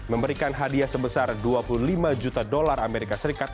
memberikan hadiah sebesar dua puluh lima juta dolar amerika serikat